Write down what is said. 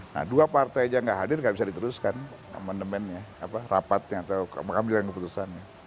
nah dua partai aja nggak hadir nggak bisa diteruskan amandemennya rapatnya atau mengambil keputusannya